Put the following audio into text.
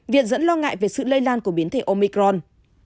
viện dẫn lo ngại về sự lây lan của biến thể omicron